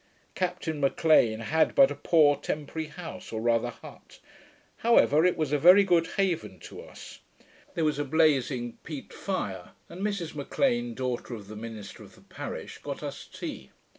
Captain M'Lean had but a poor temporary house, or rather hut; however, it was a very good haven to us. There was a blazing peat fire, and Mrs M'Lean, daughter of the minister of the parish, got us tea.